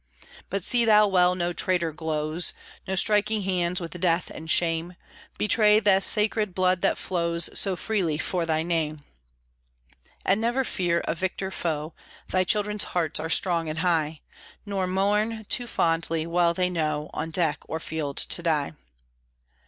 But see thou well no traitor gloze, No striking hands with Death and Shame, Betray the sacred blood that flows So freely for thy name. And never fear a victor foe Thy children's hearts are strong and high; Nor mourn too fondly; well they know On deck or field to die.